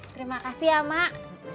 terima kasih ya mak